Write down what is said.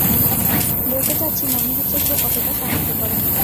বলতে চাচ্ছি, মনে হচ্ছে সে অতোটা সাহায্য করে না।